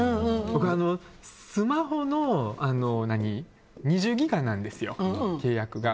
僕、スマホの２０ギガなんです契約が。